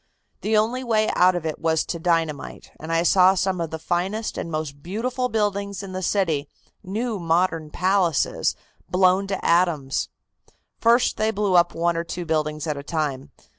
The only way out of it was to dynamite, and I saw some of the finest and most beautiful buildings in the city, new modern palaces, blown to atoms. First they blew up one or two buildings at a time.